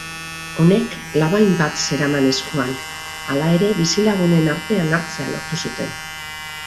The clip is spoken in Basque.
Honek labain bat zeraman eskuan, hala ere bizilagunen artean hartzea lortu zuten.